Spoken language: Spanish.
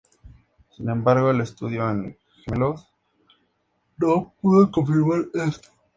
Sin embargo, el estudio en gemelos no pudo confirmar esto.